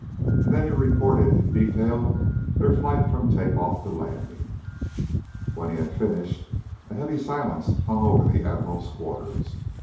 And then he reported in detail their flight from take off to landing. When he had finished a heavy silence hung over the Admiral's quarters.